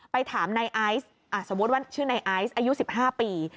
ไปถามในไอซ์สมมุติว่าชื่อในไอซ์อายุ๑๕ปี